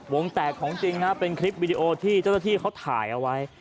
วงแตกของจริงฮะเป็นคลิปวิดีโอที่เจ้าหน้าที่เขาถ่ายเอาไว้